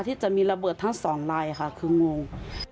ที่จะมีระเบิดทั้งสองลายค่ะคืองง